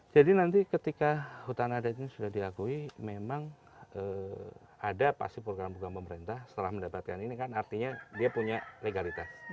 jadi nanti ketika hutan adat ini sudah diakui memang ada pasti program buka pemerintah setelah mendapatkan ini kan artinya dia punya legalitas